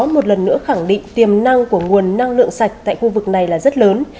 một lần nữa khẳng định tiềm năng của nguồn năng lượng sạch tại khu vực này là rất lớn